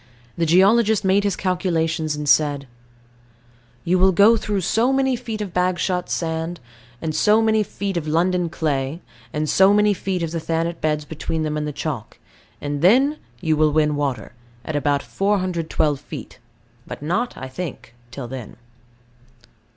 The geologist made his calculations, and said: "You will go through so many feet of Bagshot sand; and so many feet of London clay; and so many feet of the Thanet beds between them and the chalk: and then you will win water, at about 412 feet; but not, I think, till then."